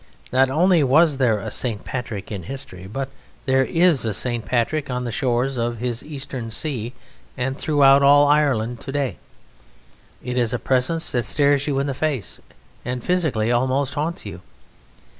Not only was there a St. Patrick in history, but there is a St. Patrick on the shores of his eastern sea and throughout all Ireland to day. It is a presence that stares you in the face, and physically almost haunts you.